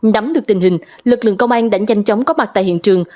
nắm được tình hình lực lượng công an đã nhanh chóng có mặt tại hiện trường